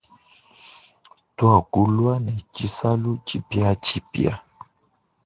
Tuakulwa ne tshisalu tshipiatshipia.